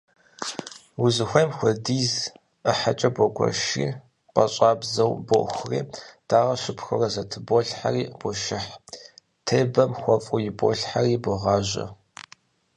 Узыхуейм хуэдиз ӏыхьэкӏэ боугуэшри пӏащӏабзэу бохури, дагъэ щыпхуэурэ зэтыболхьэри бошыхь, тебэм хуэфӏу иболъхьэри богъажьэ.